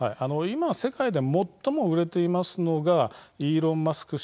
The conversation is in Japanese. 今、世界で最も売れていますのがイーロン・マスク